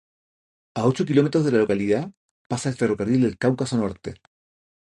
A ocho kilómetros de la localidad pasa el ferrocarril del Cáucaso Norte.